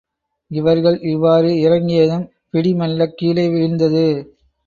இவர்கள் இவ்வாறு இறங்கியதும், பிடி மெல்லக் கீழே வீழ்ந்தது.